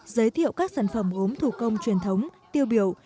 giới thiệu các sản phẩm gốm thủ công truyền thống tiêu biểu